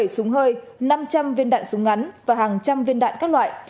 bảy súng hơi năm trăm linh viên đạn súng ngắn và hàng trăm viên đạn các loại